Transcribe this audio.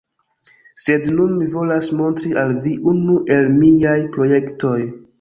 Sed nun mi volas montri al vi unu el miaj projektoj.